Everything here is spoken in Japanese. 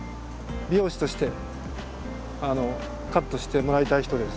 美容師としてカットしてもらいたい人です。